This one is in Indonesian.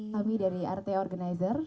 kami dari rt organizer